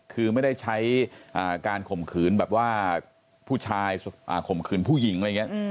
คือไม่ได้ใช้การข่มขืนแบบว่าผู้ชายข่มขืนผู้หญิงอะไรอย่างนี้